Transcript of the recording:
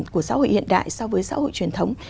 của xã hội hiện đại so với xã hội truyền thống